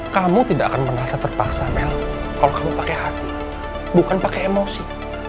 kamu tidak akan merasa terpaksa mel kalau kamu pakai hati bukan pakai emosi